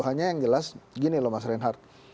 makanya yang jelas gini loh mas reinhardt